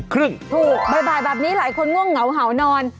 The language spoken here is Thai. ถูกบ่ายแบบนี้หลายคนง่วงเหงาเห่านอน